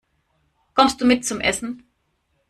Kommst du mit zum Essen?